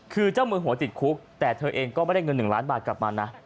คือเจ้ามือหัวติดคุกแต่เธอเองก็ไม่ได้เงิน๑ล้านบาทกลับมานะ